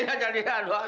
jadi anak aduh